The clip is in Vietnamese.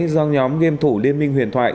do nhóm game thủ liên minh huyền thoại